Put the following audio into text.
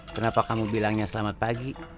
kenapa kamu bilangnya selamat pagi